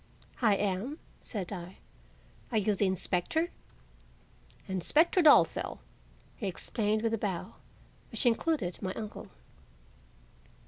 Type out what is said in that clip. "I am," said I. "Are you the inspector?" "Inspector Dalzell," he explained with a bow, which included my uncle.